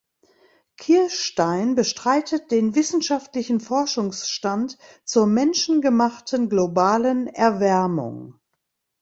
Kirstein bestreitet den wissenschaftlichen Forschungsstand zur menschengemachten globalen Erwärmung.